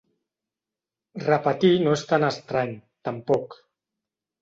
Repetir no és tan estrany, tampoc.